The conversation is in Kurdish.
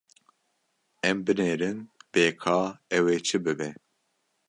Em binêrin bê ka ew ê çi bibe.